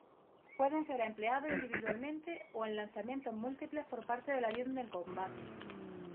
Pueden ser empleados individualmente o en lanzamientos múltiples por parte del avión de combate.